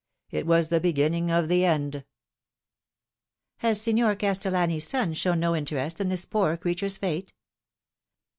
It was the beginning of the end." " Has Signer Castellani's son shown no interest in this poor creature's fate?"